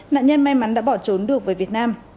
nạn nhân may mắn đã bỏ trốn được về việt nam